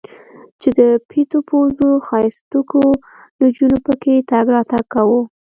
چې د پيتو پوزو ښايستوکو نجونو پکښې تګ راتګ کاوه.